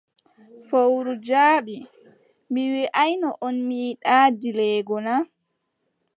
Fowru jaabi: Mi wiʼaayno on, mi yiɗaa dileego na?